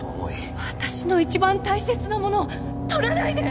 私の一番大切なものを取らないで！